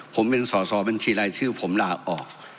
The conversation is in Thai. ผมเป็นสอสอบัญชีรายชื่อผมลาออก